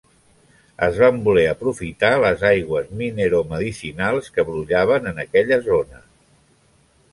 Es van voler aprofitar les aigües mineromedicinals que brollaven en aquella zona.